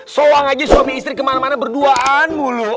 soang aja suami istri kemana mana berduaan mulu